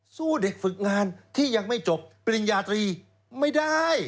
สู้เด็กฝึกงานที่ยังไม่จบปริญญาตรีไม่ได้